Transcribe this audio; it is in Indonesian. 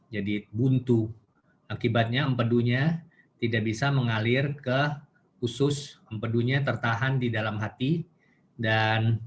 jadi buntu akibatnya empedu nya tidak bisa mengalir ke usus empedu nya tertahan di dalam hati dan